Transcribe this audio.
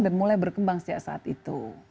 dan mulai berkembang sejak saat itu